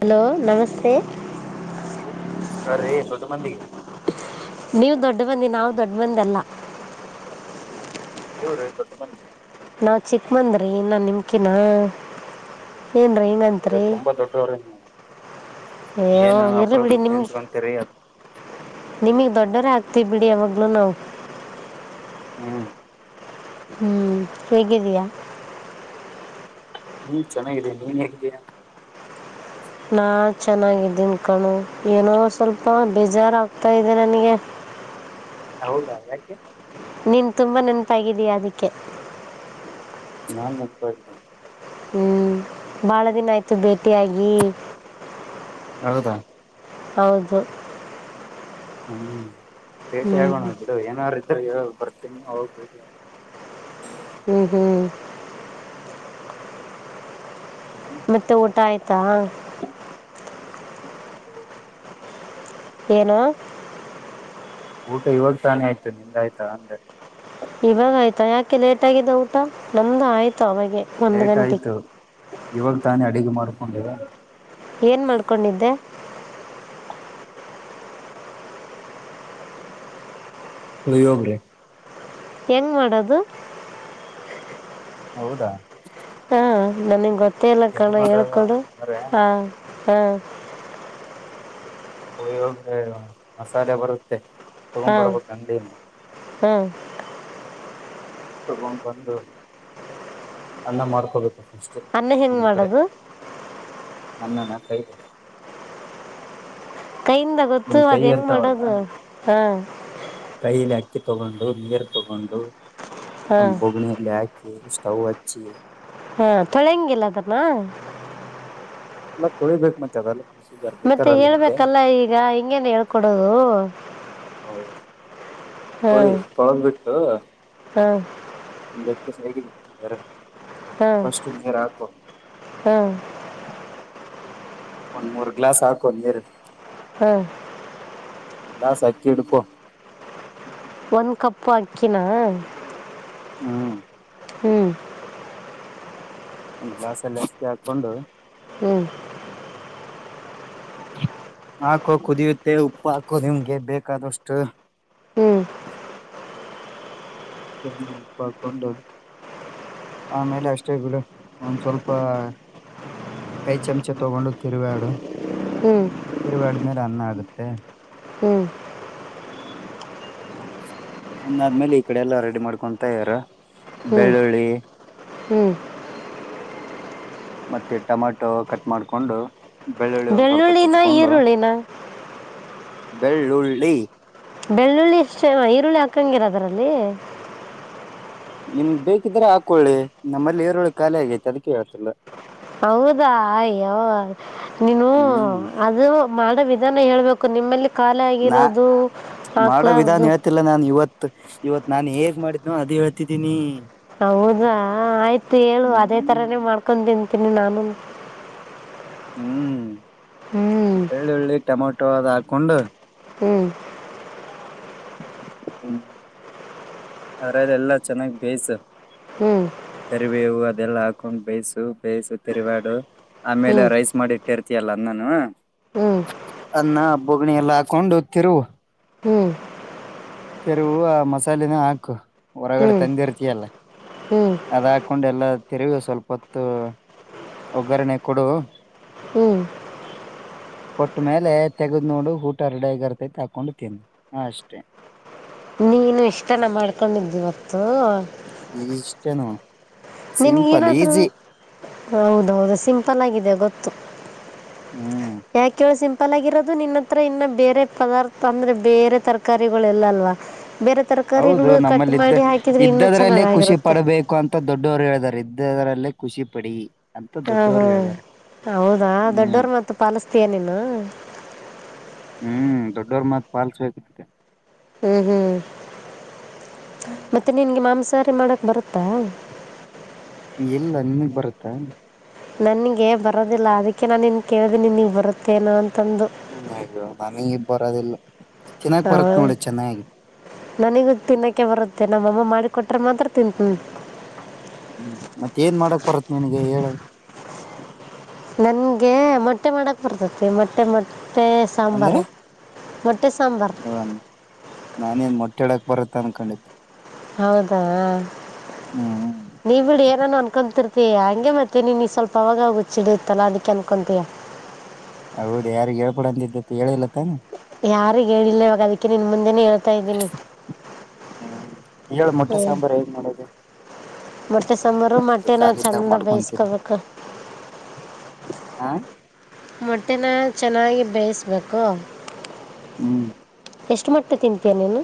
hello ನಮಸ್ತೆ ನಮಸ್ಕಾರ ರೀ ದೋಡ್ [unintelligible] ಮಂದಿ [unintelligible] ದೊಡ್ಡ ಬಂದಿ ನಾವು ದೊಡ್ಡ ಬಂದಲ್ಲ [unintelligible] ನೀವುರೀ ದೊಡ್ಡ ಮಂದಿ [unintelligible] ನಾವು ಚಿಕ್ಕ ಬಂದ್ರೀ ನಾ ನಿಮಕಿನ ಏನ್ರೀ [unintelligible] ತುಂಬಾ ದೊಡ್ಡವ್ರ [unintelligible] ಏ ಏನು ಇರಲ್ಲಿ ಬಿಡಿ ಅಪರೂಪಕ ನಿಮ್ಗೆ [unintelligible] ನೆನ್ಸ್ಕೊಂತೀರಿ ನಿಮಗೆ ದೊಡ್ಡವರೇ ಆಗ್ತಿ ಬಿಡಿ ಯಾವಾಗಲುೂ ನಾವು ಹ್ಮ ಹ್ಮ್ ಏಗಿದಿಯಾ [unintelligible] ಹ್ಮ್ ಚೆನ್ನಾಗಿದೇ ನೀನ್ ಹೇಗಿದ್ದೀಯಾ [unintelligible] ನಾ ಚೆನ್ನಾಗಿದ್ದೀನಿ ಕಣೋ ಏನೋ ಸ್ವಲ್ಪ ಬೇಜಾರ್ ಆಗ್ತಾಇದೇ ನನ್ಗೆ ಹ ಹೌದಾ ಯಾಕೆ ನೀನ್ ತುಂಬಾ ನೆನಪಾಗಿದೀಯಾ ಅದಕ್ಕೆ ಹಾ ಹ್ಮ್ ಬಹಳ ದಿನ ಆಯ್ತು ಭೇಟಿ ಯಾಗಿ ಹೌದಾ ಹೌದು ಹ್ಮ ಸೇಷಿ ಹ್ಞೂ ಆಗೋಣ ಬಿಡು ಏನ ಸರಿ ಬರ್ತೀನಿ ಹ ಹ್ಮ್ ಹ್ಮ್ ಮತ್ತೆ ಊಟ ಆಯ್ತಾ ಹ್ಮ್ ಉಟೆ ಬತ ಏನು ಊಟ ಇವಾಗ ತಾನೇ ಆಯ್ತು ನಿಂದಾಯ್ತಾ ಅಂದೆ ಇವಾಗ ಆಯ್ತಾ ಯಾಕೆ ಲೇಟ್ ಆಗಿದ್ದ ಊಟ ನಮ್ದ ಆಯ್ತ ಲೇಟ್ ಆಯ್ತು ಇವಾಗ ತಾನೇ ಅಡಿಗೆ ಮಾರಕೊಂಡಿದೆ ಏನ್ ಮಾಡ್ಕೊಂಡಿದ್ದೆ ಪ್ರಯೋಗರೆ ಹೆಂಗ್ ಮಾಡದು ಹೌದಾ ಹಾ ನನಗೆ ಗೊತ್ತೇ ಇಲ್ಲ ಹೆಂಗ್ ಕಣ ಮಾಡದ ಹೇಳ್ಕೊಡು ಅಂತಂದ್ರೆ ಹ ಹ್ಮ್ ಉಯ ಮಸಾಲೆ ಬರುತ್ತೆ ತಗೊ ಬರ್ಬೇಕು ಅಂಗಡಿಯಿಂದ ಹ್ಮ್ ತಗೊಂಡ್ ಬಂದು ಅನ್ನ ಮಾಡ್ಕೋಬೇಕು ಫಸ್ಟು ಅನ್ನ ಹೆಂಗ್ ಮಾಡದು ನ ನ ನಾ ಕ ಬ ಕೈಯಿಂದ ಗೊತ್ತು ನಿಮ ಕೈ ಅದು ಹೆಂಗೆ ಇರ್ತಾವಲ್ಲ ಮಾಡೋದು ಹಾಂ ಕೈಲಿ ಹಾ ಅಕ್ಕಿ ತಗೊಂಡು ನೀರು ತಗೊಂಡು ಹಾಂ ಒಂದು ಬೊಗ್ಣಿಯಲ್ಲಿ ಹಾಕಿ ಸ್ಟೌವ್ ಹಚ್ಚಿ ಹಾ ತೊಳೆಂಗಿಲ ಕದ್ನ ಎಲ್ಲ ತೊಳಿಬೇಕಕ್ ಮತ್ತೆ ಅದಲ್ಲ ಮತ್ತೆ ಹೇಳ್ಬೇಕಲ್ಲ ಈಗ ಹಿಂಗೇನ್ ಹೇಳ್ಕೊಡೋದು ತೊಳಿ ತೊಳಗ್ ಬಿಟ್ಟು ಹ್ಮ ಒತ್ಯ ಸರ ಹಾಂ ಫಾಸ್ಟ್ ಗೆರಾಕೊ ಹಾಂ ಒಂದ್ ಮೂರ್ ಗ್ಲಾಸ್ ಹಾಕ ಒಂದ್ ನೀರು ಹ್ಮ್ ಇಲ್ಲಾಸ್ ಆಕಿಡ್ಕೋ ಒಂದ್ ಕಪ್ಪು ಅಕ್ಕಿನ ಹ್ಮ್ ಹ್ಮ್ ಒ್ ಗ್ಲಾಸ್ ಎಲ್ಲ ಎಚ್ಚತಿ ಹಾಕೊಂಡು ಹ್ಮ್ ಹಾಕೋ ಕುದಿಯುತ್ತೆ ಉಪ್ಪು ಹಾಕೋ ನಿಮ್ಗೆ ಬೇಕಾದಷ್ಟು ಹ್ಮ್ ಕ ಪಾಕೊಂಡ ಆಮೇಲೆ ಅಷ್ಟೇ ಬಿಡು ಒಂದ ಸ್ವಲ್ಪ ಕೈ ಚಂಚೆ ತೊಗೊಂಡು ತಿರುವಡು ಹ್ಮ್ ತಿರುಗಡಿದ್ಮೇಲೆ ಅನ್ನ ಆಗುತ್ತೆ [unintelligible] ಹ್ಮ ಒಂದಾದ್ಮೇಲೆ ಈ ಕಡೆ ಎಲ್ಲ ರೆಡಿ ಮಾಡ್ಕೊತ ಇದಾರ ಹ್ಮ್ ಬೆಳ್ಳುಳ್ಳಿ ಹ್ಮ್ ಮತ್ತೆ ಟೊಮಾಟೊ ಕಟ್ ಮಾಡ್ಕೊಂಡು ಬೆಳ್ಳುಳ್ಳಿ ಒಂದ್ ಸ್ವಲ್ಪ ಬೆಳ್ಳಿಯಿನ ಚುಚ್ಕೊಂಡು ಈರಳನಾ ಬೆಳ್ಳುಳ್ಳಿ ಬೆಳ್ಳುಳ್ಳಿ ಇಷ್ಟೇ ಈರುಳ್ಳಿ ಹಾಕಂಗಿಲ್ಲ ಅದರಲ್ಲಿ ನಿಮ್ಗ್ ಬೇಕಿದ್ರೆ ಹಾಕೊಳ್ಳಿ ನಮ್ಮಲ್ಲಿ ಏರುೋಳಿ ಖಾಲಿ ಆಗೇತಿ ಅದಕ್ಕೆ ಹೇಳ್ತಲ್ಲ ಹೌದಾ್ಯೋ ನೀನು ಹ್ಮ್ ಅದು ಮಾಡಬ ಇದಾನ ಹೇಳ್ಬೇಕು ನಿಮ್ಮಲ್ಲಿ ಖಾಲಿ ನಾ ಆಗಿರೋದು ಮಾಡೋ ವಿಧಾನ ಹಾಕ್ಲಾರ್ದು ಹೇಳ್ತಿಲ್ಲ ನಾನ್ ಇವತ್ತು ಇವತ್ ನಾನ್ ಹೇಗ್ ಮಾಡಿದ್ನೋ ಅದ ಹೇಳ್ತಿದ್ದೀನಿ ಹೌದಾ ಆಯ್ತು ಹೇಳು ಅದೇ ತರಾನೇ ಹ್ಮ್ ಮಾಡ್ಕೊಂಡನ್ ತಿೇ ನಾಮ ಹ್ಮ್ ಬೆಳ್ಳುಳ್ಳಿ ಟಮೊಟೊ ಅದ್ ಹಾಕೊಂಡು ಹ್ಮ್ ಹ್ಮ್ ಅದ್ರದ ಎಲ್ಲಾ ಚೆನ್ನಾಗ್ ಬೇಯ್ಿಸು ಹ್ಮ್ ಕರಿಬೇ ಹವು ಅದೆಲ್ಲ ಹಾಕೊಂಡು ಬೇಯಸು ಬೇಯಿಸು ತಿರಿಬ್ಯಾಡು ಆಮೇಲೆ ಹ್ಮ್ ಹ್ಮ್ ರೈಸ್ ಮಾಡಿ ಬಿಟ್ಟಿರ್ತಿಯಲ್ಲ ನಾನ ಅನ್ನ ಬಗ್ಣಿ ಎಲ್ಲ ಹಾಕೊಂಡು ಹತ್ತಿರು ಹ್ಮ್ ತೆರುವು ಆ ಮಸಾಲೆನ ಹಾಕು ಹೊರಗಡೆ ಹ್ಮ್ ತಂದಿರ್ತಯಲ್ಲ ಹ್ಮ್ ಅದ್ ಹಾಕೊಂಡ ಎಲ್ಲ ತಿೆರುಗ ಸ್ವಲ್ಪ ಹೊತ್ತು ಒಗ್ಗರಿ ನೆಕ್ಕಡು ಹ ಕೊಟ್ಟ್ಮೇಲೆ ತೆಗದ್ ನೋಡು ಊಟ ಹರಡಗರ್ತೈತಿ ಹಾಕೊಂಡುತೀನಿ ಹ ಅಷ್ಟೇ ನೀನು ಇಷ್ಟನ ಮಾಡ್ಕೊಂಡಿದ್ದಿಿವತ್ತು ಚೆ ನೋಣ ನನ್ಗ ಏನಾದ್ರೂ ಹೌದೌದು ಸಿಂಪಲ್ ಆಗಿದೆ ಗೊತ್ತು ಹ್ಮ್ ಯಏಕ್ಕೆವ ಸಿಂ ಪಲಾಗಿರೋದು ನಿನ್ನ ಹತ್ರ ಇನ್ನ ಬೇರೆ ಪದಾರ್ಥ ಅಂದ್ರೆ ಬೇರೆ ತರಕಾರಿಗಳು ಎಲ್ಲ ಅಲ್ವಾ ಬೇರೆ ಹೌದು ತರಕಾರಿಗಳು ಕಟ್ ನಮ್ಮಲ್ಲಿ್ದ ಮಾಡಿ ಹಾಕಿದರೆ ಇನ್ನೂ ಇದ್ದದ್ರಲ್ಲೇ ಖುಷಿ ಚೆನ್ನಾಗಿರುತ್ತೆ ಪಡಬೇಕು ಅಂತ ದೊಡ್ಡವರು ಹೇಳಾರೆ ್ದದರಲ್ಲೇ ಖುಷಿಪಡಿ ಹಾ ಹ್ಮ್ ಹೌದಾ ಹ್ಮ್ ದೊಡ್ಡವರು ಮ ಪಾಲಿಸತೀಯ ನೀನು [inaudible] ಹ್ಮ್ ದೊಡ್ಡವ್ರ ಮತ್ ಪಾಲ್ಸಬೇಕಂತೆ ಹ್ಮ್ ಹ್ಮ್ ಹ್ಮ್ ಮತ್ತೆ ನಿನ್ಗೆ ಮಾಂಸ ಸಾರಿ ಮಾಡಕ್ ಬರುತ್ತಾ ಇಲ್ಲ ನಿನ್ಗ್ ಬರುತ್ತಾ ನನ್ಗ ಬರೋದಿಲ್ಲ ಅದಕ್ಕೆ ನಾನು ಇ ಕೇಳಿದೆನಿ ನಿಿನಗ್ ಬರುತ್ತೇನೋ ಅಂತ ಹ ನನಗೆ ಇ ಬರೋದಿಲ್ಲ ತಿನ್ನಕ್ ಹಾ ಬರತ್ ನೋಡಿ ಚೆನ್ನಾಗಿ ನನಗ ತಿನ್ನಕ್ಕೆೆ ಬರುತ್ತೆ ನ ಮಮ್ಮಮ್ಮ ಮಾಡಿ ಕೊೊಟ್ರ ಮಾತ್ರ ತಿಂತೀ ಹ್ಮ್ ಮತ್ತ ಏನ್ ಮಾಡಕ್ ಬರತ್ ನನ್ಗೆ ಹೇಳ ನನ್ಗೆ ಮೊಟ್ಟೆ ಮಾಡಕ್ ಬರ್ತತಿ ಮೊಟ್ಟೆ ಮೊಟ್ಟೆ ಸಾಂಬಾರು ಮೊ ಹೌದನ್ ನಾನೇನ್ ಮೊಟ್ಟೆ ಇಡಕ್ ಬರುತ್ತ ಅನ್ಕೊಂಡಿದ್ದೆ ಹೌದಾ ಹ್ಮ್ ನೀವ್ ಬಿಡ ಏನಾನ ಅನ್ಕೊಂತರ್ತ ಮ ಹಂಗೆ ಮತ್ತೆ ನೀನ್ಗ ಸ್ವಲ್ಪ ಅವಾಗುಚ್ಚಿಡ ಇತ್ತಲ್ಲ ಅದಕ್ಕೆ ಅನ್ಕೊಂತೀಯಾ ಹೌದ ಯಾರಗ್ ಹೇಳ್ಕೊಡಂತ ಇದ್ದತಿ ಹೇಳಿಲ್ಲತ್ತಾನ ಯಾರು ಹೇಳಿಲ್ಲ ಇಾಗದಕ್ಕೆ ನಿನ್ ಮುಂದೆ ಮಾಡತಾ ಇದ್ದೀನಿ ಹ್ಮ್ ಹೇಳ ಮೊಟ್ಟೆ ಹ್ಮ್ ಸಾಂಬಾರ್ ಹೇಗ್ ಮಾಡೋದು ಮೊಟ್ಟೆ ನಾನ್ ಸಾಂಬಾರು ಇವಾಗ ಮೊಟ್ಟೆನ ಕಾಲಿದ್ದಾಗ ಚಂದ ಬೇಯಸ್ಕೋಬೇಕು ಹ ಮೊಟ್ಟೆನ ಚೆನ್ನಾಗಿ ಬೇಯಿಸ್ಬೇಕು ಹ್ಮ್ ಎಷ್ಟು ಮೊಟ್ಟೆ ತಿಂತೀಯ ನೀನು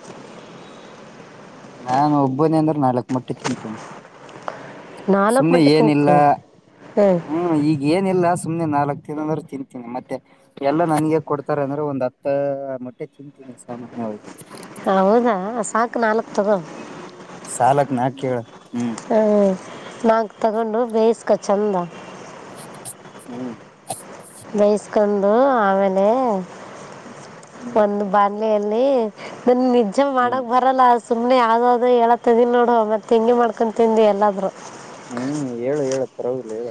ನಾನು ಒಬ್ಬನೇ ಅಂದ್ರೆ ನಾಲ್ಕ್ ಮಟ್ಟಿ ತಿಂತೇನೆ ನಾಲ್ಕು ಸುಮ್ನೆ ಮೊಟ್ಟೆ ಏನಿಲ್ಲ ತಿಂತೀಯ ಹ್ಞೂ ಹ್ಮ್ ಈಗ ಏನಿಲ್ಲ ಸುಮ್ನೆ ನಾಲ್ಕು ತಿನ್ ಅಂದ್ರೆ ತಿಂತೀನಿ ಮತ್ತೆ ಎಲ್ಲ ನನಗೆ ಕೊಡ್ತಾರೆ ಅಂದ್ರೆ ಒಂದು ಹತ್ತ ಮೊಟ್ಟೆ ತಿಂತೀನಿ ಸಾಮಾನ್ಯವಾಗಿ ಹೌದಾ ಸಾಕ ನಾಲ್ಕು ತಗೋ ಸಾಲಕ್ ನಾ ಕೇಳ ಹ್ಮ್ ನಾಕ ತಗೊಂಡು ಬೇಯಸ್ಕ ಚಂದ ಹ್ಮ್ ಬೇಯಿಸಕೊಂಡು ಆಮೇಲೆ ಹ್ಮ್ ಒಂದು ಬಾಣಲೆಯಲ್ಲಿ ನನಗ ನಿಜ ಹ್ಮ್ ಮಾಡಕ್ ಬರಲ್ಲ ಆ ಸುಮ್ನೆ ಯಾವ್ದಾವ್ದ ಹೇಳ್ತದನಿ ನೋಡು ಮತ್ತೆ ಹಿಂಗೆ ಮಾಡ್ಕೊಂಡು ತಿಂದಿ ಎಲ್ಲಾದ್ರು ಹ್ಮ್ ಹೇಳು ಹೇಳ ಪರವಾಗಿಲ್ಲ ಹೇಳ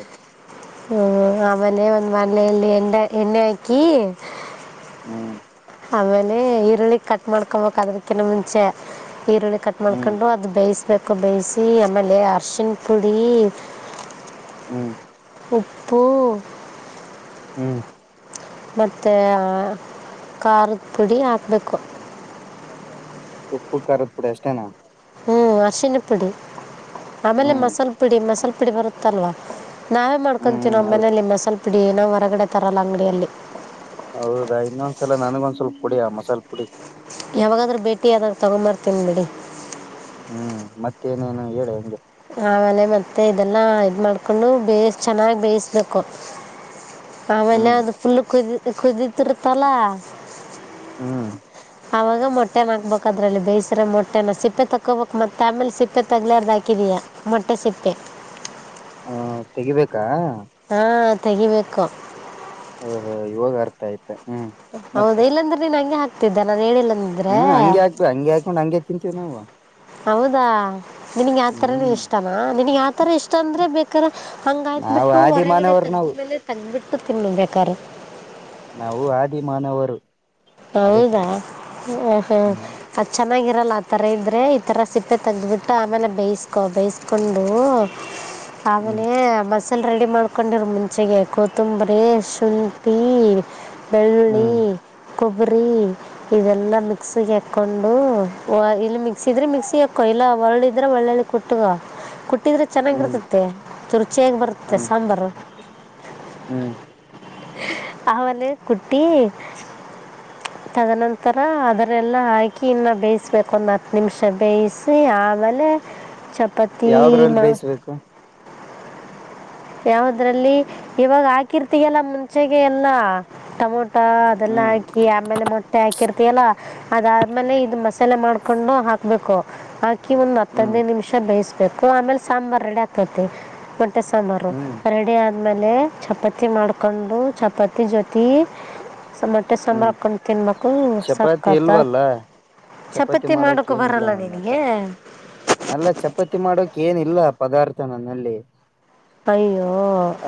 ಹ್ಮ್ ಆಮೇಲೆ ಒಂದ್ ಬಾಣಲೆಯಲ್ಲಿ ಎಂಡ ಎಣ್ಣೆ ಹಾಕಿ ಹ್ಮ್ ಆಮೇಲೆ ಈರುಳ್ಳಿ ಕಟ್ ಮಾಡ್ಕೊಬೇಕ ಅದಕ್ಕಿಂತ ಮುಂಚೆ ಈರುಳ್ಳಿ ಕಟ್ ಹ್ಮ್ ಮಾಡ್ಕೊಂಡು ಅದು ಬೇಯಿಸಿ ಬೇಕು ಬೇಯಿಸಿ ಆಮೇಲೆ ಅರಶಿನ ಪುಡಿ ಹ್ಮ್ ಉಪ್ಪು ಹ್ಮ್ ಮತ್ತೆ ಖಾರದ ಪುಡಿ ಹಾಕ್ಬೇಕು ಉಪ್ಪು ಕಾರದ ಪುಡಿ ಅಷ್ಟೇನಾ ಹ್ಮ್ ಅರ್ಶಿನಿ ಪುಡಿ ಆಮೇಲೆ ಹ್ಮ್ ಮಸಾಲ ಪುಡಿ ಮಸಾಲ ಪುಡಿ ಬರುತ್ತಲ್ವಾ ನಾವೇ ಹ್ಮ್ ಹ್ಮ್ ಮಾಡ್ಕೊತೀನೋ ಆ ಹೌದು ಮನೆಯಲ್ಲಿ ಮಸಾಲೆ ಪುಡಿ ನಾವ ಹೊರಗಡೆ ತರಲ್ಲ ಅಂಗಡಿಯಲ್ಲಿ ಹೌದಾ ಇನ್ನೊಂದ್ಸಲ ನನ್ಗ ಒಂದ್ ಸ್ವಲ್ಪ ಕೂಡಿ ಆ ಮಸಾಲ ಪುಡಿ ಯಾವಾಗಾದ್ರೂ ಭೇಟಿ ಯಾದಗ ತಗೊಂಬರ್ತೀನಿ ಬಿಡಿ ಹ್ಮ್ ಮತ್ತೇನೇನು ಹೇಳಿ ಹಂಗೆ ಆಮೇಲೆ ಮತ್ತೆ ಇದನ್ನ ಇದ ಮಾಡಕೊಂಡು ಬೇಯ ಚೆನ್ನಾಗ ಬೇಯಿಸ್ಬೇಕು ಆಮೇಲೆ ಹ್ಮ್ ಒಂದು ಫುಲಕುದಿ ಕುದತಿರ್ತಲ ಹಾ ಅವಾಗ ಮೊಟ್ಟೆನ ಹಾಕ್ಬೇಕ್ ಅದ್ರಲ್ಲಿ ಬೇಯಸ್ರ ಮೊಟ್ಟೆನ ಸಿಪ್ಪೆ ತಕೋಬೇಕ್ ಮತ್ತ ಆಮೇಲ ಸಿಪ್ಪೆ ತಗ್ಲಾರ್ದಾಕಿ ಹಾಕಿದಿಯಾ ಮೊಟ್ಟೆ ಸಿಪ್ಪೆ ಹ ತೆಗಿಬೇಕಾ ಹಾ ತೆಗಿಬೇಕು ಹ ಹ ಇವಾಗ ಅರ್ಥ ಆಯ್ತು ಹೌದ ಇಲ್ಲಾಂದ್ರೆ ನೀನ್ ಹಂಗೆ ಹಾಕತಿದ್ದೆಲ್ಲ ನಾನ್ ಹೇಳಿಲ್ಲ ಅಂದ್ರೆ ಹ್ಮ್ ಹಂಗೆ ಹಾಕ್ಬೇಕ ಹಂಗೆ ಹಾಕೊಂಡ್ ಹಂಗೆ ತಿಂತೀವಿ ನಾವು ಹೌದಾ ನಿನಗ್ ಯಾವತರನ ಹ್ಮ್ ಇಷ್ಟನಾ ನಿನ್ಗ್ ಯಾವತರ ಇಷ್ಟ ಅಂದ್ರೆ ಬೇಕ್ರ ಹಂಗ ನಾವು ಹಾಕ್ಬಿಟ್ಟು ಆದಿ ಹೊರಗಡೆ ಮಾನವರು ನಾವು ತೇಗದ್ಮೇಲೆ ತಂದ್ಬಿಟ್ಟು ತಿನ್ನು ಬೇಕಾದ್ರೆ ನಾವು ಆದಿ ಮಾನವರು ಅದಕ್ಕೆ ಹೌದಾ ಹ ಹ ಹ್ಮ್ ಅಚ್ಚಾ ಚೆನ್ನಾಗಿರಲ್ಲ ಆ ಥರ ಇದ್ದರೆ ಈ ಥರ ಸಿಪ್ಪೆ ತೆೆಗೆದಬಿಟ್ಟು ಆಮೇಲೆ ಬೇಯಿಸ್ಕೊ ಬೇಯಿಸ್ಕೊಂಡು ಹ್ಮ್ ಆಮೇಲೆ ಮಸ್ ಲ್ಲಿ ರೆಡಿ ಮಾಡ್ಕೊಂಡಿರು ಮುಂಚೆಗೆ ಕೊತ್ತಂಬರಿ ಶುಂಠಿ ಬೆಳೂಳ್ಳಿ ಹ್ಮ್ ಕೊಬ್ಬರಿ ಇದೆಲ್ಲಾ ಮಿಕ್ಸಿಗೆ ಹಾಕ್ಕೊಂಡು ಇಲ್ಲಿ ಮಿಕ್ಸಿ ಇದ್ರೆ ಮಿಕ್ಸಿ ಹಾಕ್ಕೋ ಇಲ್ಲ ಒರಳ್ಳಿದ್ರೆ ಒಳ್ಳ ಕುಟ್ಟುಗೂ ಹಟ್ಟಿದ್ರೆ ಹ್ಮ್ ಚೆನ್ನಾಗಿರ್ತತೆ ುರುಚಿಯಾಗಿ ಬರುತ್ತೆ ಹ್ಮ್ ಸಾಂಬಾರು ಹ್ಮ್ ಅಹು ಅೆ ಕುಟ್ಟಿ ತದನಂತರ ಅದನ್ನೆಲ್ಲ ಹಾಕಿ ಇನ್ನು ಬೇಯಿಸ್ಬೇಕು ಒಂದು ಹತ್ತು ನಿಮಿಷ ಬೇಯಿಸಿ ಆಮೇಲೆ ಅಲ್ಲ ಚಪಾತ ಯಾವದ್ರಲ್ಲಿ ಮಾ ಬೇಯಿಸ್ಬೇಕು ಯಾಾವದ್ರಲ್ಲಿ ಇವಾಗ ಹಾಕಿರ್ತಿಗೆಲ್ಲ ಮುಂಚೆಗೆ ಎಲ್ಲ ಟಮೊಟ ಮ ಅದೆಲ್ಲಾ ಹ್ಮ್ ಹಾಕಿ ಆಮೇಲೆ ಮೊಟ್ಟೆ ಹಾಕಿ ಹಾಕಿರ್ತಯಲ್ಲಾ ಅದಾದ್ಮೇಲೆ ಇದು ಮಸಾಲೆ ಮಾಡ್ಕೊಂಡು ಹಾಕ್ಬೇಕು ಕ್ಕಿ ಒಂದ್ ಹ್ಮ್ ಹತ್ತದನೈದು ನಿಮಿಷ ಬೇಯಸ್ಬೇಕು ಆಮೇಲೆ ಸಾಂಬಾರ್ ರೆಡಿ ಆಗ್ತತಿ ಮೆ ಸಂಬಾರು ಹ್ಮ್ ರೆಡಿ ಆದಮೇಲೆ ಚಪಾತಿ ಮಾಡ್ಿಕೊಂಡು ಚಪಾತಿ ಜೊತೆ ಸಮಟೆ ಹ್ಮ್ ಸಾಂಬುಾಕ್ಕೊಂಡು ತಿನ್ಬೇಕು ಚಪಾತಿ ಸಾತ್ತ ಇಲ್ವಲ್ಲ ಚಪಾತಿ ಮಾಡೋಕ್ ಮಾಡಕು ಏನಿಲ್ಲ ಬರಲ್ಲ ನನ್ನ ನಿನಗೆ ಹತ್ರ ಅಲ್ಲ ಚಪಾತಿ ಮಾಡೋಕ ಏನಿಲ್ಲ ಪದಾರ್ಥ ನನ್ನಲ್ಲಿ ಅಯ್ಯೋ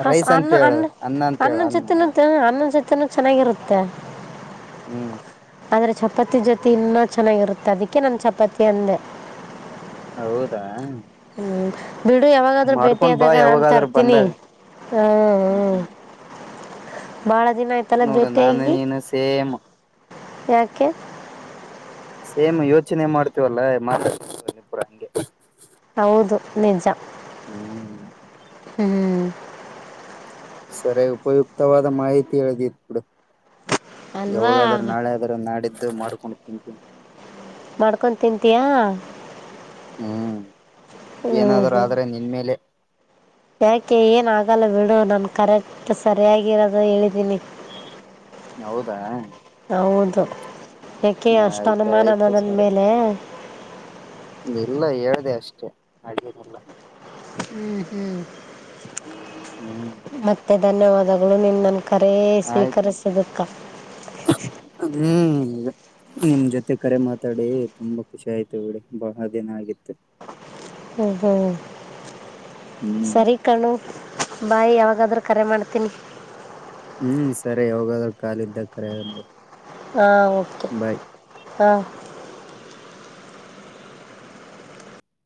ಅ ರೈಸ್ ಅಂತ ಅನ್ನ ಹೇಳು ಅನ್ನ ಅಂತ ಹೇಳು ಅನ್ನದ ಅನ್ನ ಜೊತೆಿನ ಅನ್ನ ಜೊತೆ ಚೆನ್ನಾಗಿರುತ್ತೆ ಹ್ಮ್ ಆದರೆ ಚಪಾತಿ ಜೊತೆ ಇನ್ನೂ ಚೆನ್ನಾಗಿರುತ್ತೆ ಅದಕ್ಕೆ ನಾನು ಚಪಾತಿ ಅಂದೆ ಹೌದಾ ಹ್ಮ್ ಬಿಡು ಯಾವಾಗಾದ್ರೂ ಮಾಡ್ಕೊಂಡ್ ಬಾ ಭೇಟಿಾದಾಗ ನಾನು ಯಾವಾಗಾದ್ರೂ ತರ್ತೀನಿ ಬಂದಾಗ ಹಾಂ ಹ್ಞಂ ಹ್ಮ್ ಬಹಳ ದಿನ ಆಯ್ತಲ್ಲ ನೋಡು ನಾನು ಭೇಟಾಗಿ ನೀನು ಸೇಮ್ ಯಾಕೆ ಸೇಮ್ ಯೋಚನೆ ಮಾಡ್ತೀವಲ್ಲಾ ಮಾತಾಡ್ ಇಬರ ಹಂಗೆ ಹೌದು ನಿಜ ಹ್ಮ್ ಹ್ಮ್ ಸರಿ ಉಪಯುಕ್ತವಾದ ಮಾಹಿತಿ ಹೇಳಿದ ಕಡ ಅಲ್ವಾ ಯಾವಾಗಾದರೂ ನಾಳೆ ಆದರೂ ನಾಡಿದ್ದು ಮಾಡಕೊಂಡು ತಿಂತೀನಿ ಮಾಡ್ಕೊು ತಿಂತೀಯಾ ಹ್ಮ್ ಹ್ಞೂ ಏನಾದ್ರುೂ ಹ್ಞೂ ಆದ್ರೆ ನಿನ್ ಮೇಲೆ ಯಾಕೆ ಏನ್ ಆಗಲ್ಲ ಬಿಡು ನಾನು ಕರೆಕ್ಟ್ ಸರಿಯಾಗಿರೋದು ಹೇಳಿದೀನಿ ಹೌದಾ ಹೌದು ಯಾಕೆ ಅಷ್ಟು ಆಯ್ತ ಆಯ್ತು ಅನುಮಾನದದನ್ ಸರಿ ಮೇಲೆ ಇಲ್ಲ ಹೇಳ್ದ ಅಷ್ಟೆ ಅಡಿಯದಲ್ಲ ಹ್ಮ್ ಹ್ಮ್ ಹ್ಮ್ ಮತ್ತೆ ಧನ್ಯವಾದಗಳು ನಿನ್ ಕಖರೇ ಆಯ್ತು ಸ್ವೀಕರಿಸುದಕ್ಕ ಹ್ಮ್ ಅದ ನಿಮ್ ಜೊತೆ ಕರೆ ಮಾತಾಡಿ ತುಂಬಾ ಖುಷಿ ಆಯ್ತು ಬಿಡಿ ಬಹಳ ದಿನ ಆಗಿತ್ತು ಹ್ಮ್ ಹ್ಮ್ ಹ್ಮ್ ಸರಿ ಕಣು ಬಾಯ್ ಯಾವಾಗ ಹಾಗಾದ್ರೆ ಕರೆ ಮಾಡ್ತೀನಿ ಹ್ಮ್ ಸರಿ ಯೋಗಾದ್ರರು ಕಾಲ ಇದ್ದ ಕರಗು ಹಾ ಕೆ ಹಾ